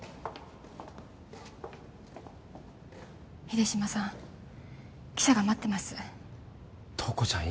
秀島さん記者が待ってます塔子ちゃん